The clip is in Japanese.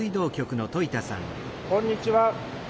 こんにちは。